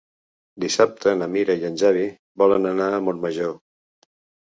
Dissabte na Mira i en Xavi volen anar a Montmajor.